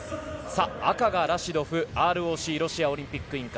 赤がラシドフ、ＲＯＣ・ロシアオリンピック委員会。